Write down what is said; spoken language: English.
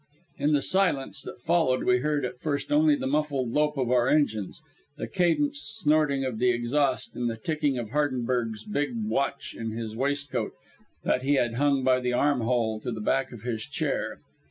In the silence that followed we heard at first only the muffled lope of our engines, the cadenced snorting of the exhaust, and the ticking of Hardenberg's big watch in his waistcoat that he had hung by the arm hole to the back of his chair.